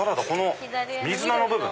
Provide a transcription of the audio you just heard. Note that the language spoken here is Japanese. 水菜の部分？